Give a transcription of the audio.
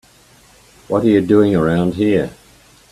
What are you doing around here?